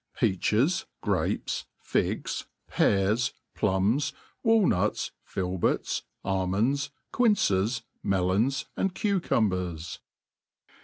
Peaches, grapes, figs, pears, plum^, walnuts, filberts, al* monds, quinces, melons, and cucumbers.